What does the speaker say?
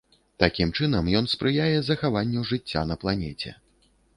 Такім чынам ён спрыяе захаванню жыцця на планеце.